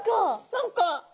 何か！